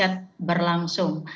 karena riset berlangsung